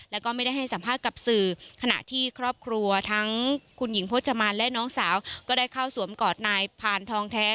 แล้วก็ไม่ได้ให้สัมภาษณ์กับสื่อขณะที่ครอบครัวทั้งคุณหญิงพจมานและน้องสาวก็ได้เข้าสวมกอดนายพานทองแท้